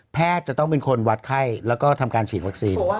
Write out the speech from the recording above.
จะต้องเป็นคนวัดไข้แล้วก็ทำการฉีดวัคซีน